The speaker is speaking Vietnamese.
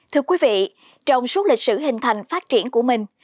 thưa quý vị trong suốt lịch sử hình thành phát triển của mình